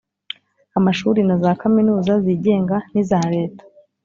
amashuli na za kaminuza zigenga n'iza leta,